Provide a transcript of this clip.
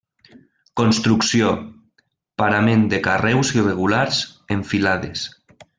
Construcció: parament de carreus irregulars, en filades.